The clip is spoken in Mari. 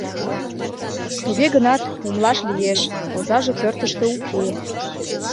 Туге гынат умылаш лиеш: озаже пӧртыштӧ уке.